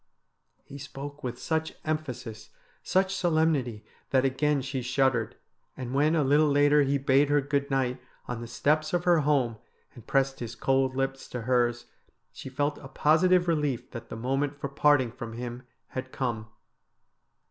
He spoke with such emphasis, such solemnity, that again she shuddered, and when a little later he bade her good night on the steps of her home, and pressed his cold lips to hers she felt a positive relief that the moment for parting from him had come.